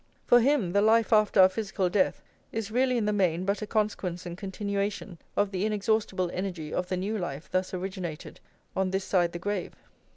For him, the life after our physical death is really in the main but a consequence and continuation of the inexhaustible energy of the new life thus originated on this side the grave.